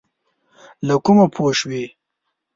له کومه پوه شوې؟